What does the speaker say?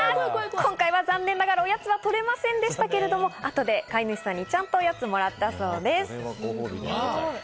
今回は残念ながら、おやつは取れませんでしたけど、後で飼い主さんにちゃんとおやつをもらったそうです。